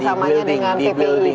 kerjasamanya dengan ppi